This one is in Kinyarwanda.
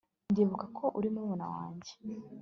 Ndibuka ko uri murumuna wanjye